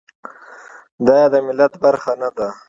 دای د ملت برخه نه ده.